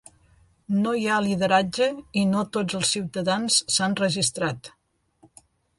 No hi ha lideratge i no tots els ciutadans s'han registrat.